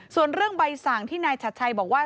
ส่วนเรื่องใบสั่งที่นายชัดชัยบอกว่า